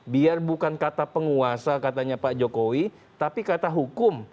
biar bukan kata penguasa katanya pak jokowi tapi kata hukum